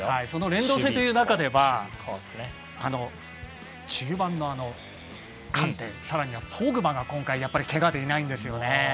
連動性という中では中盤のカンテ、さらにポグバが今回けがで、いないんですよね。